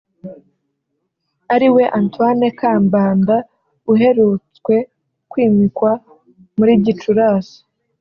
ariwe Antoine Kambanda uherutswe kwimikwa muri gicurasi